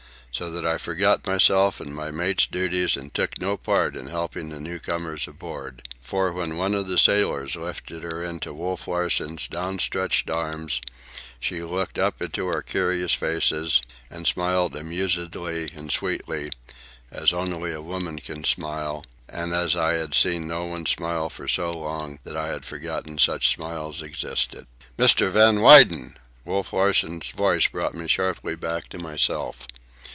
—so that I forgot myself and my mate's duties, and took no part in helping the new comers aboard. For when one of the sailors lifted her into Wolf Larsen's downstretched arms, she looked up into our curious faces and smiled amusedly and sweetly, as only a woman can smile, and as I had seen no one smile for so long that I had forgotten such smiles existed. "Mr. Van Weyden!" Wolf Larsen's voice brought me sharply back to myself.